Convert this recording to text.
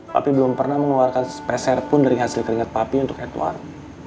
papi belum pernah mengeluarkan sepeserpun dari hasil keringat papi untuk edward